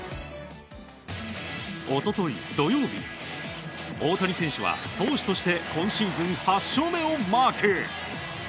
一昨日、土曜日大谷選手は投手として今シーズン８勝目をマーク。